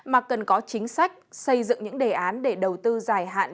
mà cần có chính sách xây dựng những đề án để đầu tư dài hạn